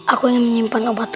aku ingin menyimpan obat itu